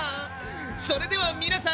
それでは皆さん！